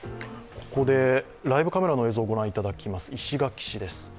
ここでライブカメラの映像を御覧いただきます、石垣市です。